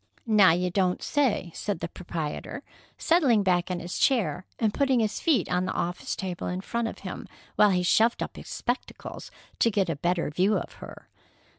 "Now, you don't say!" said the proprietor, settling back in his chair and putting his feet on the office table in front of him, while he shoved up his spectacles to get a better view of her.